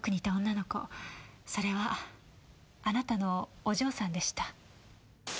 それはあなたのお嬢さんでした。